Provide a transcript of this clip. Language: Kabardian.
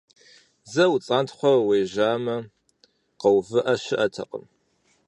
Зэ уцӀантхъуэрэ уежьамэ, къэувыӀэ щыӀэтэкъым.